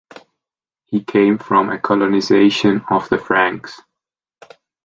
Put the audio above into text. He came from a colonization of the Franks.